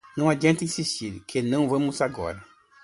Não adianta insistir que não vamos agora.